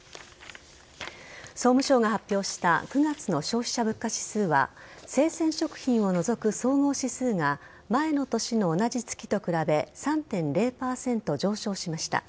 総務省が発表した９月の消費者物価指数は生鮮食品を除く総合指数が前の年の同じ月と比べ３．０％上昇しました。